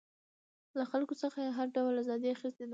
له خلکو څخه یې هر ډول ازادي اخیستې ده.